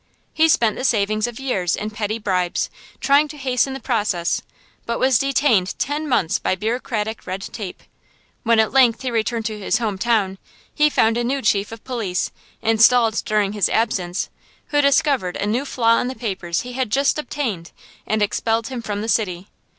He spent the savings of years in petty bribes, trying to hasten the process, but was detained ten months by bureaucratic red tape. When at length he returned to his home town, he found a new chief of police, installed during his absence, who discovered a new flaw in the papers he had just obtained, and expelled him from the city.